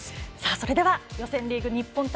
それでは予選リーグ日本対